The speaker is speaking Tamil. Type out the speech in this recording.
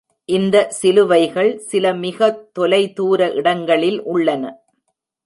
இந்த சிலுவைகள் சில மிக தொலைதூர இடங்களில் உள்ளன.